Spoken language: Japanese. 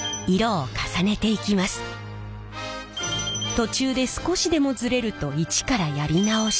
途中で少しでもズレると一からやり直し。